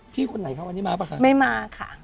พี่คุณไหนคร้าววันนี้มาป่ะค่ะไม่มาค่ะ